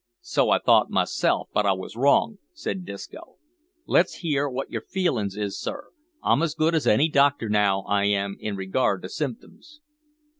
"So I thought myself, but I wos wrong," said Disco. "Let's hear wot your feelin's is, sir; I'm as good as any doctor now, I am, in regard to symptoms."